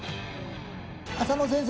浅野先生